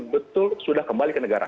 betul sudah kembali ke negara